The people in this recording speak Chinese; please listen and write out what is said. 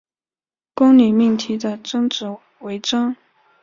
公理命题的真值为真。